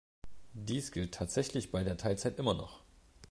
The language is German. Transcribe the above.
Dies gilt tatsächlich bei der Teilzeit immer noch.